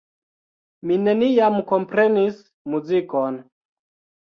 Mi neniam komprenis muzikon.